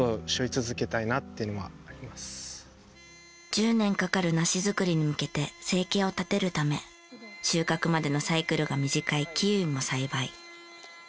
１０年かかる梨作りに向けて生計を立てるため収穫までのサイクルが短いキウイも栽培。